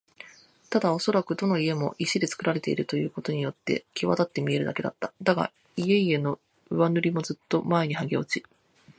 ただおそらくどの家も石でつくられているということによってきわだって見えるだけだった。だが、家々の上塗りもずっと前にはげ落ち、